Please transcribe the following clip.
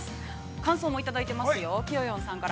感想をいただいています。